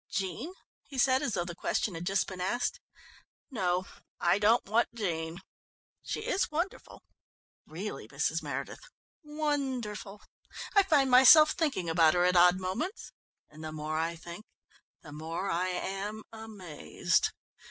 "Jean?" he said, as though the question had just been asked. "No, I don't want Jean. She is wonderful, really, Mrs. Meredith, wonderful! I find myself thinking about her at odd moments, and the more I think the more I am amazed.